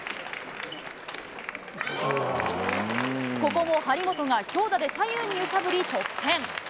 ここも張本が強打で左右に揺さぶり、得点。